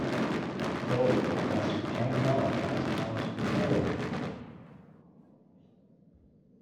Philippe thus became known as Count Hoorn.